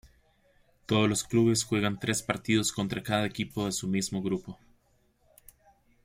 Todos los clubes juegan tres partidos contra cada equipo de su mismo grupo.